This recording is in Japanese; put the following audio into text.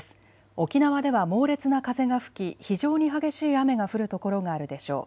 沖縄では猛烈な風が吹き非常に激しい雨が降る所があるでしょう。